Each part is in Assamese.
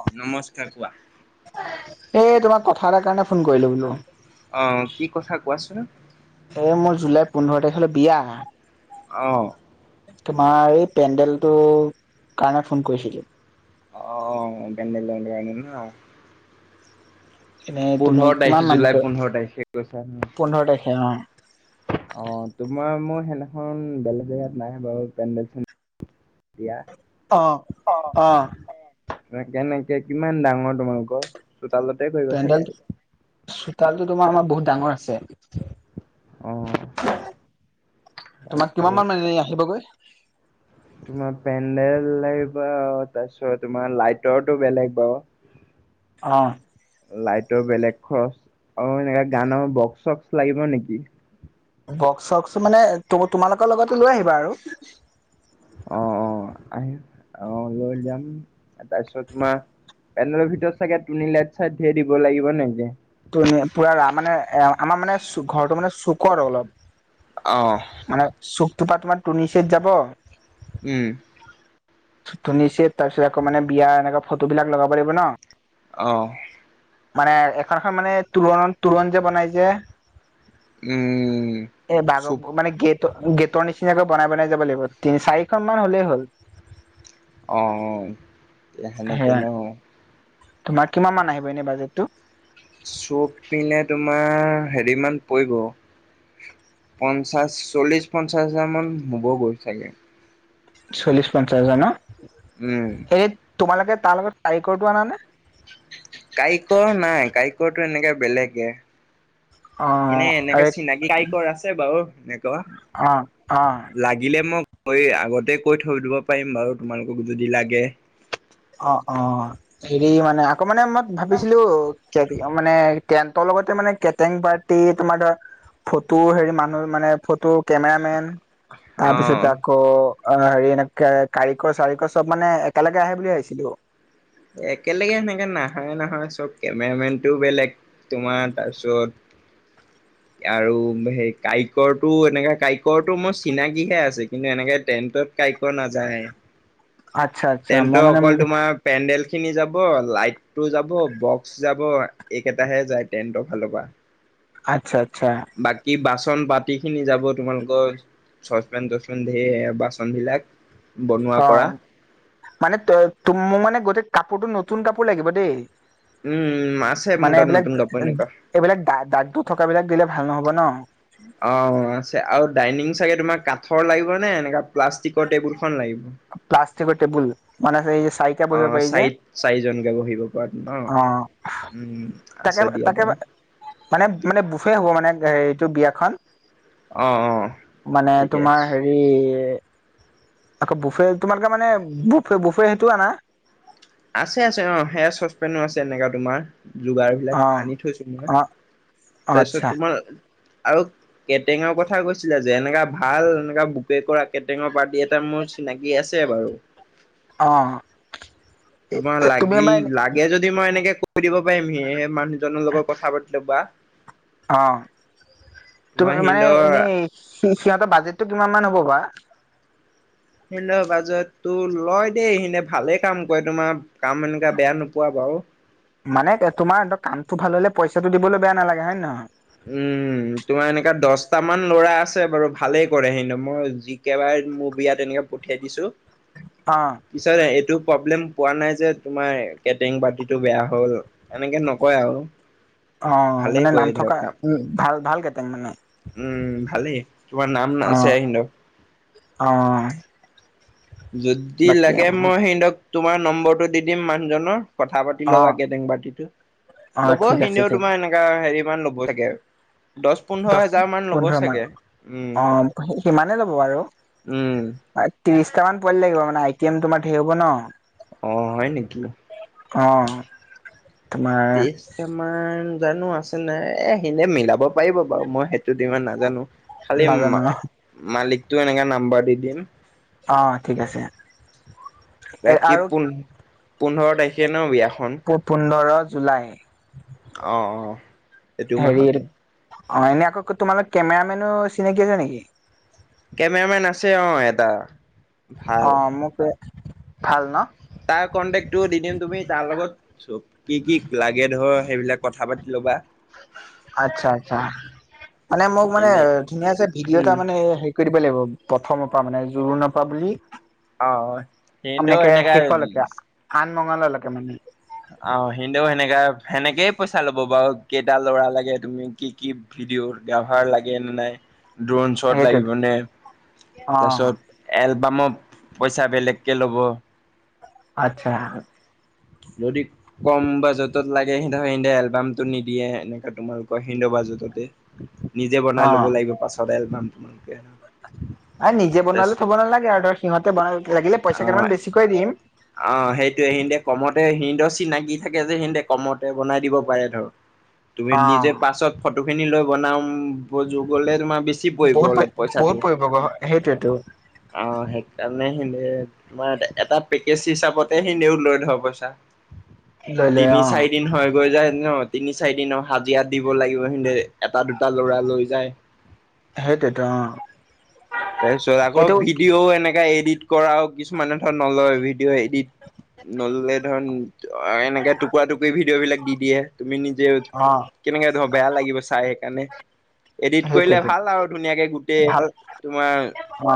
অ নমস্কাৰ কোৱা। এ তোমাক কথা এটা কাৰণে ফোন কৰিলো বোলো। অ কি কথা কোৱাচোন। এ মোৰ জুলাই পোন্ধৰ তাৰিখলে বিয়া। অ। তোমাৰ এই পেডেলটো কাৰণে ফোন কৰিছিলো। অ [unintelligible] এনে তুমি পোন্ধৰ তাৰিখ কিমান জুলাই মানকৈ পোন্ধৰ তাৰিখে কৈছা ন পোন্ধৰ তাৰিখে অ। অ তোমাৰ মোৰ সেইদিখন বেলেগ জেগাত নাই বাৰু পেণ্ডেল চে বিয়া। অহ অহ। কেনেকে কিমান ডাঙৰ তোমালোকৰ চোতালতে কৰিব চাগে। চোতালতো তোমাৰ আমাৰ বহুত ডাঙৰ আছে। অ তোমাৰ কিমান তাৰপিছত মান মানে আহিবগৈ? তোমাৰ পেডেল লাগিব তাৰপিছত তোমাৰ লাইটৰটো বেলেগ বাৰু। অ লাইটৰ বেলেগ খৰচ। অ এনেকা গানৰ বক্স চক্স লাগিব নেকি? বক্স চকস মানে তোমালোকৰ লগতে লৈ আহিবা আৰু। অ অ আহিম, অহ লৈ যাম, তাৰপিছত তোমাৰ পেনেলৰ ভিতৰত চাগে টোনিং লাইট চাইট ধেয় দিব লাগিব নেকি। ত [unintelligible] পুৰা ৰা মানে আমাৰ মানে ঘৰটো মানে চুকৰ অঁ অলপ। মানে চুপটোপা তোমাৰ টুনিচেত যাব উম। তুনি চেত তাৰ পিছত আকৌ মানে বিয়া এনেকুৱা ফটো বিলাক লগাব লাগিব ন। অহ। মানে এখনখন মানে তোৰণত তোৰণ যে বনাই যে। উম এই চুপ ভাগৱ মানে গেট গেটৰ নিচিনাকৈ বনাই বনাই যাব লাগিব তিনি চাৰিখন মান হলেই হ'ল। অঁ সেনেকে সেয়া ন। তোমাৰ কিমান মান আহিব এনে বাজেটটো? চব পিনে তোমাৰ হেৰি মান পৰিব পঞ্চাশ, চল্লিশ পঞ্চাশ হাজাৰ মান হব গৈ ছাগে? চল্লিশ পঞ্চাশ হাজাৰ ন। উম। এই তোমালোকে তাৰ লগত কাৰিকৰটো আনা নে? কাৰিকৰ নাই কাৰিকৰটো এনেকে বেলেগে অ এনে এনেকে আৰে চিনাকি টাইপৰ আছে বাও এনেকোৱা অ অ লাগিলে মোক মই আগতে কৈ থৈ দিব পাৰিম বাৰু তোমালোকক যদি লাগে। অ অ হেৰি মানে আকৌ মানে মই ভাবিছিলো কি কি মানে কেণ্টৰ লগতে মানে কেটাৰিং পাৰ্টি তোমাৰ ধৰা ফটো হেৰি মানুহ মানে ফটো কেমেৰা মেন তাৰপিছতে অ' আকৌ অ হেৰি এনেক কাৰিকৰ চাৰিকৰ চব মানে একেলগে আহে বুলি ভাবিছিলো। একেলগে সেনেকে নাহে নহয় নহয় চব কেমেৰামেন টোও বেলেগ তোমাৰ তাৰপিছত [unintelligible] আৰু সেই কাৰিকৰটো এনেকে কৰিকৰটো মোৰ চিনাকিহে আছে কিন্তু এনেকে টেণ্টত কাৰিকৰ নাযায় আচ্ছা আচ্ছা তেন্তে মই মানে অকল তোমাৰ পেডেল খিনি যাব লাইটটো যাব বক্স যাব এইকেইটাহে যায় তেণ্টৰ ফালৰ পৰা। আচ্ছা। আচ্ছা বাকী বাছ বাচন বাতি খিনি যাব তোমালোকৰ চচপেন তচপেন ধেৰ বাচন বিলাক বনোৱা অ কৰা মানে ত মোক মানে গোটেই কাপোৰটো নতুন কাপোৰ লাগিব দেই উম আছে মোৰ মানে তাত এইবিলাক নতুন কাপোৰ এনেকুৱা। এইবিলাক দাগ-দাগ থকাবিলাক দিলে ভাল ভাল নহব ন অ আছে আৰু ডাইনিং চাগে তোমাৰ কাঠৰ লাগিব নে এনেকা প্লাষ্টিকৰ টেবুল খন লাগিব? প্লাষ্টিকৰ টেবুল মানে এই চাৰিটা অ বহিব পাৰি যে চাৰি চাৰিজনকে বহিব পৰা ন অ উম-উম আছে দিয়া বাৰু মানে-মানে বুফে হ'ব মানে এইটো বিয়াখন অ অ মানে ঠিকে তোমাৰ আছে। হেৰি আকৌ বুফে তোমালোকে মানে বুফ-বুফে সেইটো আনা আছে-আছে অ সেয়া চচপেনো আছে এনেকা তোমাৰ যোগাৰবিলাক অ আনি থৈছো মই অ অ তাৰপিছত আচ্ছা তোমাৰ আৰু কেটেঙৰ কথা কৈছিলে যে এনেকা ভাল এনেকা বুকে কৰা কেটেঙৰ পাৰ্টি এটা মোৰ চিনাকি আছে বাৰু অঁ তোমাৰ লাগিল লাগে যদি মই এনেকে কৈ দিব পাৰিম সি মানুহজনৰ লগত কথা পাতিলে বা অ তুমি তোমাৰ মানে সিন্দৰ এনেই সিহঁতৰ বাজেটতো কিমান মান হ'ব বা সিহঁতৰ বাজেটটো লয় দেই সিনে ভালে কাম কৰে তোমাৰ কাম এনেকা বেয়া নোপোৱা বাৰু মানে তোমাৰ কামটো ভাল হ'লে পইচাটো দিবলৈ বেয়া নালাগে হয় নে নহয়? উম তোমাৰ এনেকা দহটা মান ল'ৰা আছে বাৰু ভালেই কৰে সিহঁতেও মই যি কেবাৰে মোৰ বিয়াত তেনেকা পঠিয়াই দিছো অ' পিছত এইটো প্ৰব্লেম পোৱা নাই যে তোমাৰ কেটাৰিং পাৰ্টিটো বেয়া হ'ল এনেকে নকয় আৰু অ ভালেই মানে নাম কৰে ধৰ থকা কাম উম ভাল-ভাল কেটাৰিং মানে উম, ভালেই। তোমাৰ নাম অ আছে সিহঁতৰ। অ যদি বাকী লাগে উম, মই সিহঁতক তোমাৰ নম্বৰটো দি দিম মানুহজনৰ কথা পাতি লগা অ' কেটাৰিং পাৰ্টিটো অ' লব ঠিক আছে সিহঁতেও ঠিক আছে। তোমাৰ এনেকা হেৰি মান ল'ব লাগে আৰু দহ পোন্ধৰ মান উম অ সিমানে ল'ব বাৰু উম ত্ৰিশটা মান পোৱালি লাগিব মানে আইটেম তোমাৰ ধেৰ হ'ব ন অ হয় নেকি? অ তোমাৰ তেজ আমাৰ জানো আছে নাই এ সিহঁতে মিলাব পাৰিব বাৰু মই সেইটো দি ইমান নাজানো খালি নাজানো মালিকটো এনেকা নাম্বৰ দি দিম। অ ঠিক আছে। এ বাকী আৰু পোন-পোন্ধৰ তাৰিখে ন বিয়াখন। পোন্ধৰ জুলাই অ-অ এইটো হেৰি মাহতে। অ এনেই আকৌ তোমালোক কেমেৰা মেনো চিনাকি আছে নেকি? কেমেৰা মেন আছে অ এটা। ভাল অ মোক ভাল ন। তাৰ কন্টেক্টটো দি দিম তুমি তাৰ লগত চব কি কি লাগে ধৰ সেইবিলাক। কথা পাতি ল'বা। আচ্ছা-আচ্ছা মানে মোক মানে এনে ধুনীয়া ভিডিঅ' এটা উম মানে। কৈ দিব লাগিব প্ৰথমৰ পা মানে জোৰোণৰ পা বুলি। অ অ সিহঁতেও এনেকে শেষলৈকে আৰু এনেকা আঠ মংসলালৈকে মানে। আহ সিহঁতেও সেনেকা-সেনেকেই পইচা ল'ব বাৰু কেইটা লৰা লাগে তুমি কি কি? ভিদিউৰ গাভাৰ লাগে নে নাই। ড্ৰন শ্বট লাগিব সেইটোতো নে অ তাৰপিছত এল বাম পইচা বেলেগকে ল'ব। আচ্ছা যদি কম বাজেতত লাগে সি এলবামটো নিদিয়ে এনেকা তোমালোকৰ সেন্দ নিজে বনাই অ ল'ব লাগিব পাছত এলবাম তোমালোকে। আৰু নিজে তাৰপিছ বনালে থ'ব নালাগে আৰু ধৰ সিহঁতে বনাব লাগিলে অ পইচা কেইটমান বেছিকৈ দিম। অ সেইটোৱে সিতে কমতে সিতে চিনাকি থাকে যে সিহতে কমতে বনাই দিব পাৰে ধৰ- তুমি অ নিজে পাছত ফটো খিনি লৈ বনাম ব যু গ'লে তোমাৰ বেছি পৰিব বহুত পৰি অলপ বহুত পইচাটো পৰিব গ সেইটোৱেতো অহ সেইকাৰণে। তোমাৰ এটা পেকেজ হিচাপতে সিনেও লৈ ধৰ পইচা। লৈ লৈ তিনি অ চাৰি দিন হয় গৈ যায় ন তিনি চাৰি দিন হাজিৰা দিব লাগিব সিতে এটা দুটা ল'ৰা লৈ যায়। সেইটোৱেতো অ তাৰপিছত আকৌ এইটো ভিডিঅ' এনেকা এডিট কৰাও কিছুমানে ধৰ নলয় ভিডিঅ' এডিট। নললে ধৰ এনেকে টুকুৰা টুকুৰি ভিডিঅ' বিলাক দি দিয়ে তুমি যে অ কেনেকে ধৰ বেয়া লাগিব চাই সেইকাৰণে এডিট কৰিলে সেইটোৱেতো ভাল আৰু ধুনীয়াকে গোটেই ভাল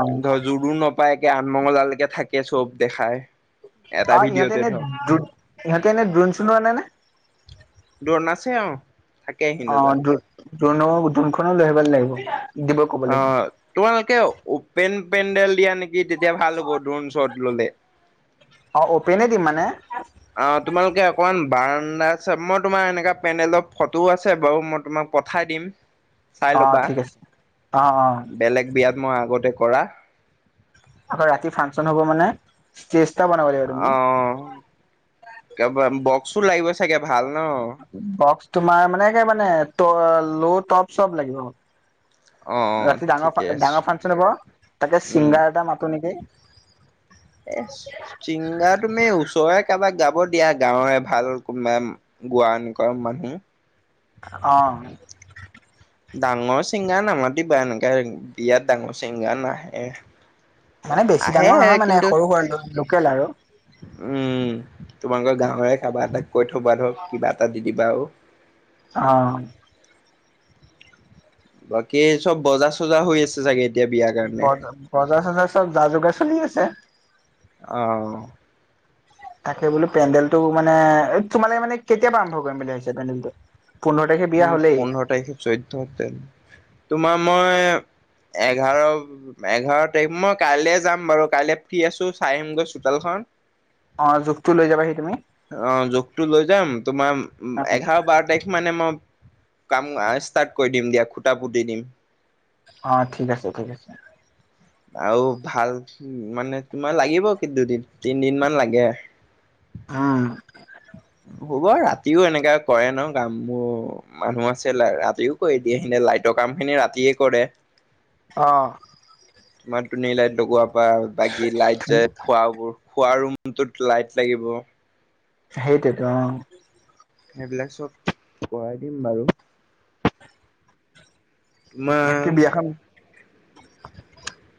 অ ধৰ জোৰ নাপায় তাকে আঠমঙলালেকে থাকে চব দেখাই। এটা অ ইহঁতে ভিডিঅ'তে এনে ধৰ ইহঁতে এনে দ্রুণ চূণ আনে নে। দ্রুন আছে অ। অ ড্রোন অ ড্রোনখনো লৈ আহিব লাগিব। দিব ক'ব অ লাগিব। তোমালোকে উপেন পেণ্ডেল দিয়া নেকি তেতিয়া ভাল হ'ব ড্ৰোনশট্ৰ ল'লে। অ অপেনে দিম মানে অ তোমালোকে অকমান বাৰ- নাই চোৱা মই তোমাৰ এনেকা পেণ্ডেলৰ ফটোও আছে বাৰু মই তোমাক পঠাই দিম। চাই অ ল'বা ঠিক আছে অ অ। বেলেগ বিয়াত মই আগতে কৰা। অ ৰাতি ফাংচন হ'ব মানে ষ্টেজটা বনাব লাগিব তুমি। অ' বক্সো লাগিব চাগে ভাল ন? বক্স তোমাৰ মানে মানে ত লো টপ চব লাগিব। অ' অ' ৰাতি ঠিকে ডাঙৰ আছে ডাঙৰ ফাংচন হ'ব তাকে উম। ছিংগাৰ এটা মাতো নেকি? এ ছিংগাৰ তুমি ওচৰৰে কাবাক গাব দিয়া গাঁৱৰে ভাল কোনোবা। গোৱা এনেকুৱা মানুহ। অ। ডাঙৰ চিংগাৰ নামাতিবা এনেকা বিয়াত ডাঙৰ চিংগাৰ নাহে। মানে বেছি আহে ডাঙৰ নহয় মানে কিন্তু সৰু সুৰা লোকেল আৰু উম তোমালোকৰ গাৱৰে কাবা এটাক কৈ থব ধৰক কিবা এটা দি দিবা আও অ বাকী চব বজা চজা হৈ আছে চাগে এতিয়া বিয়াৰ কাৰণে বজা বজাৰ চজাৰ চব যা যোগাৰ চলি আছে অ তাকে বোলো পেণ্ডেলটো মানে তোমালোকে মানে কেতিয়া পৰা আৰম্ভ কৰিম বুলি ভাবিছা পেণ্ডেলটো পোন্ধৰ তাৰিখে বিয়া উম হ'লেই পোন্ধৰ তাৰিখে চৈধ্য তে তোমাৰ মই এঘাৰ এঘাৰ তাৰিখ মই কাইলে যাম বাৰু কাইলে ফ্ৰী আছো চাই আহিম গৈ চোতালখন অ জোখটো লৈ যাব অ জুখটো লৈ যাম তোমাৰ অ এঘাৰ বাৰ তাৰিখ মানে মই কাম ষ্টাৰ্ট কৰি দিম দিয়া খুটা পুটি দিম অ ঠিক আছে ঠিক আছে আৰু ভাল মানে তোমাৰ লাগিব কি দুদিন তিনদিন মান লাগে উম হ'ব ৰাতিও এনেকা কৰে ন? কাম মোৰ মানুহ আছিল ৰাতিও কৰি দিয়ে সিনা লাইটক কাম খিনি ৰাতিয়ে কৰে। অ ইমান লাইট লগোৱাৰ পৰা বাকী লাইট যাই খোৱা বোৰ খোৱা ৰুমটোত লাইট লাগিব সেইটোৱেতো অ সেইবিলাক চব কৰাই দিম বাৰু বাকী তোমাৰ বিয়াখন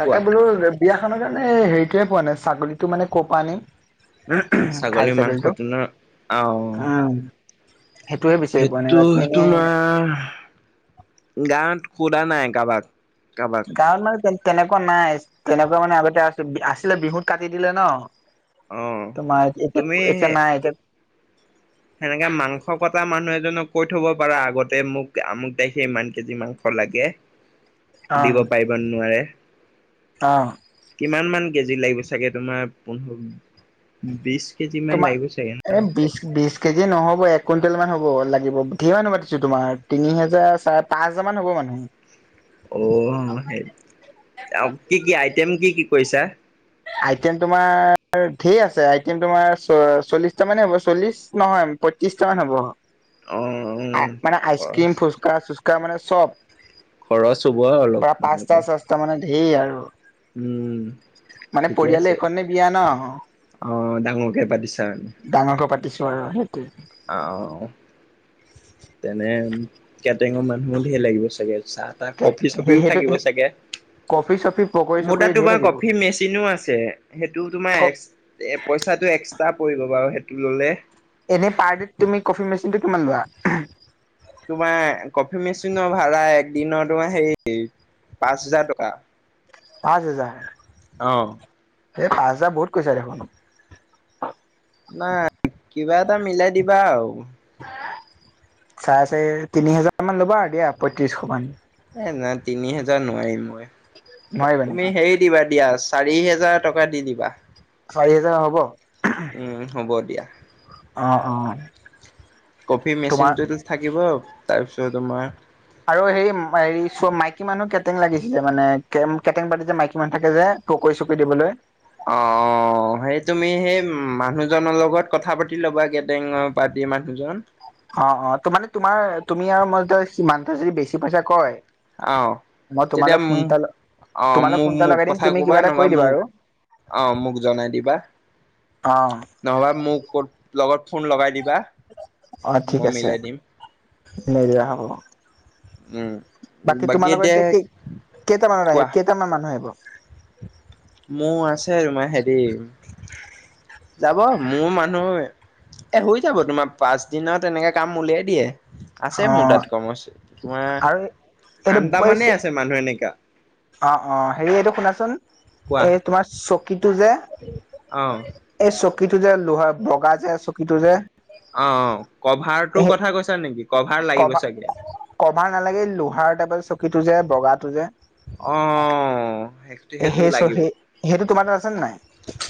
তাকে কোৱা বোলো বিয়াখনৰ কাৰণে হেৰিটোয়ে পোৱা নাই ছাগলীটো মানে ক' পৰা আনিম। খাহী মাংস ছাগলী তো, তোমাৰ অ উম সেইটোয়ে বিচাৰি পোৱা নাই সেইটো বাকী এনে তোমাৰ গাঁৱত সোধা নাই কাৰোবাক কাৰোবাক গাঁৱত মানে তে তেনেকোৱা নাই তেনেকোৱা মানে আগতে আ আছিলে বিহুত কাটি দিলে ন অ তোমাৰ, তুমি এতিয়া নাই এতিয়া সেনেকে মাংস কটা মানুহ এজনক কৈ থব পাৰা আগতে মোক আমুক তাইখে ইমান কেজি মাংস লাগে দিব পাৰিব নোৱাৰে অহ কিমান মান কেজি লাগিব চাগে তোমাৰ পোন্ধৰ বিশ কেজি মান তোমাৰ, লাগিব চাগে ন এ বিছ বিছ কেজি নহ'ব এক কুইণ্টেল মান হ'ব লাগিব, ধেৰ মানুহ পাতিছো তোমাৰ তিনি হাজাৰ চাৰে পাঁচ হাজাৰ মান হ'ব মান উ অ সেই কি কি আইটেম কি কি কৰিছা? আইটেম তোমাৰ ধেই আছে, আইটেম তোমাৰ চ চল্লিশটা মানে হ'ব চল্লিশ নহয় পঁয়ত্ৰিশটা মান হ'ব অ অ', মানে, খৰচ আইচক্ৰীম ফুচকা চুচকা মানে চব খৰচ হ'ব অলপ প্ৰায় পাঁচটা তোমালোকৰ ছচটা মানে ধেৰ আৰু উম মানে পৰিয়ালে এখনে বিয়া ন অহ ডাঙৰ কে পাতিছা মানে হয় সেইটো অ অ তেনে কেটেঙৰ মানুহো ধেৰ লাগিব চাগে চাহ তাহ কফি সেইটোৱে চপিও সেইটো থাকিব চাগে কফি চফি পক মোৰ তাত তোমাৰ কফি মেচিনো আছে সেইটো তোমাৰ পইচাটো এক্স টা পৰিব বাৰু সেইটো ল'লে এনে পাৰ দে তুমি কফি মেচিনটো কিমান লোৱা তোমাৰ কফি মেচিনৰ ভাড়া একদিনৰ তোমাৰ সেই পাঁচ হাজাৰ টকা। পাঁচ হেজাৰ অহ এই পাঁচ হাজাৰ বহুত কৈছা দেখোন। নাই কিবা এটা মিলাই দিবা আৰু। চাৰে চাৰি তিনি হেজাৰ মান ল'বা আৰু দিয়া পয়ত্ৰিশ মান। এ নাই তিনি হেজাৰ নোৱাৰিম মই, নোৱাৰিবা নেকি তুমি হেৰি দিবা দিয়া চাৰি হেজাৰ টকা দি দিবা। চাৰি হেজাৰ হব উম হ'ব দিয়া। অ কফি তোমাৰ মেচিনটোতো থাকিব তাৰপিছত তোমাৰ আৰু হেৰি হেৰি চ মাইকী মানুহ কেটেং লাগিছে যে মানে কেটেং পাতি যে মাইকী মানুহ থাকে যে পকৰি চকৰি দিবলৈ অ অ অ সেই তুমি সেই মানুহজনৰ লগত কথা পাতি ল'বা গেটেঙৰ পাৰ্টি মানুহজন অ অ ত মানে তোমাৰ তুমি আৰু মই সিমানতে যদি বেছি পইচা কয় অ', মই তেতিয়া তোমালৈ ফোন এটা অ', তোমালৈ ফোন এটা মোক-মোক লগাই দিম কথা তুমি ক'বা কিবা এটা নহবা কৰি দিবা মোক আৰু। অ মোক জনাই দিবা অ নহবা মোক ক'ত লগত ফোন লগাই দিবা। অ ঠিক মই আছে মিলাই দিম। মেৰিয়া হ'ব। উম, বাকী তোমালোকৰ এতিয়া কি কেইটামানত কোৱা আহিব কেইটামান মানুহ আহিব? [unintelligible] মোৰ আছে তোমাৰ হেৰি যাব মোৰ মানুহ এ হৈ যাব তোমাৰ পাছ দিনা তেনেকে কাম উলিয়াই দিয়ে। অ আছে মোৰ তাত কম আছে তোমাৰ আৰু এইটো আন্দামানে আছে মানুহ এনেকা। অ অ হেৰি এইটো শুনাচোন এই তোমাৰ চকীটো যে অহঁ। এই চকীটো যে লোহাৰ বগা যে চকীটো যে। অ কভাৰটোৰ সেই কথা কৈছা নেকি? লাগিব কভাৰ চাগে কভাৰ নালাগে লোহাৰ টাইপৰ চকীটো যে বগাটো যে। অ শেষ সেইটো সেই লাগিব। চহী সেইটো তোমাৰ তাত আছে নে নাই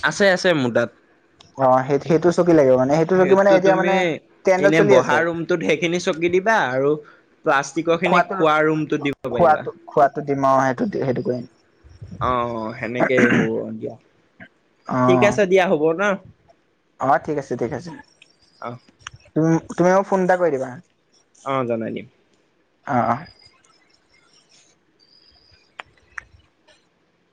আছে আছে মোৰ তাত। অ সেই সেইটো চকী লাগিব মানে চকী মানে সেইটো এতিয়া তুমি মানে ট্ৰেণ্ডত এনে চলি বহা আছে ৰুমটোত সেইখিনি চকী দিবা আৰু প্লাষ্টিকৰ খিনি খোৱাটো খোৱা ৰুমটো দিব খোৱা পাৰিবা খোৱা দিম আৰু সেইটো সেইটো কৰিম। অ অ সেনেকেই হ'ব দিয়া ঠিক আছে দিয়া হ'ব ন। অঁ ঠিক আছে ঠিক আছে অ তুমি মোক ফোন এটা কৰি দিবা হা অ জনাই দিম। অ অ।